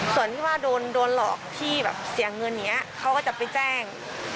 ส่วนที่ว่าโดนหลอกที่แบบเสียเงินอย่างนี้เขาก็จะไปแจ้ง